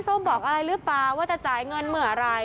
ส้มบอกอะไรหรือเปล่าว่าจะจ่ายเงินเมื่อไหร่